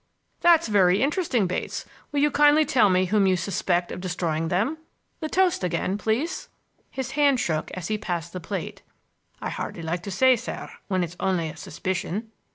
"That's very interesting, Bates. Will you kindly tell me whom you suspect of destroying them? The toast again, please." His hand shook as he passed the plate. "I hardly like to say, sir, when it's only a suspicion."